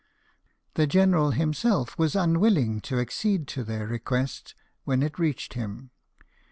The General himself was unwilling to accede to their request, when it reached him.